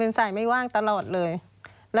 ควิทยาลัยเชียร์สวัสดีครับ